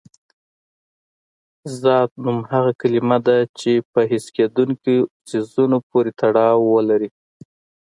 ذات نوم هغه کلمه ده چې په حس کېدونکي څیزونو پورې تړاو ولري.